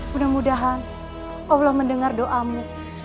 mudah mudahan allah mendengar doamu